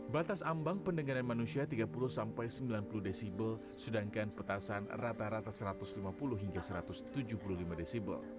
batas ambang pendengaran manusia tiga puluh sampai sembilan puluh desibel sedangkan petasan rata rata satu ratus lima puluh hingga satu ratus tujuh puluh lima desibel